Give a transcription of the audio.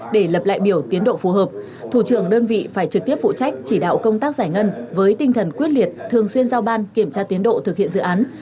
để lập lại biểu tiến độ phù hợp thủ trưởng đơn vị phải trực tiếp phụ trách chỉ đạo công tác giải ngân với tinh thần quyết liệt thường xuyên giao ban kiểm tra tiến độ thực hiện dự án